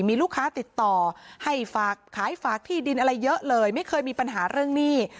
มีลูกค้าติดต่อให้ฝากขายฝากที่ดินอะไรเยอะเลยไม่เคยมีปัญหาเรื่องหนี้